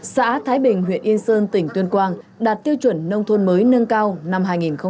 xã thái bình huyện yên sơn tỉnh tuyên quang đạt tiêu chuẩn nông thôn mới nâng cao năm hai nghìn một mươi năm